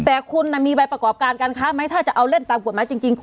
แต่คุณมีใบประกอบการการค้าไหมถ้าจะเอาเล่นตามกฎหมายจริง